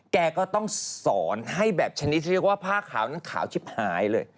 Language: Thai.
แกก็ต้องสอนให้แบบชนิดที่เรียกว่าผ้าขาวนั้นขาวชิบหายเลย